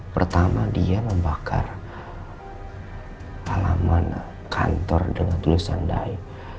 pertama dia membakar alaman kantor dengan tulisan dai